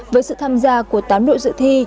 với sự tham gia của tám đội dự thi